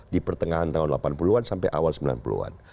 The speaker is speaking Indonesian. di pertengahan tahun delapan puluh an sampai awal sembilan puluh an